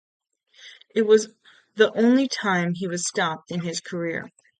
It was the only time he was stopped in his career.